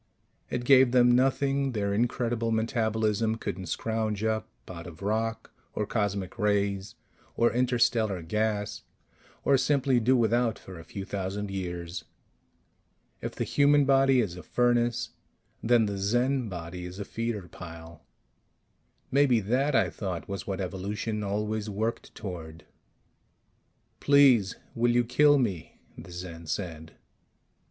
It gave them nothing their incredible metabolism couldn't scrounge up out of rock or cosmic rays or interstellar gas or simply do without for a few thousand years. If the human body is a furnace, then the Zen body is a feeder pile. Maybe that, I thought, was what evolution always worked toward. "Please, will you kill me?" the Zen said.